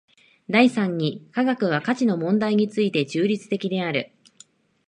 第三に科学は価値の問題について中立的である。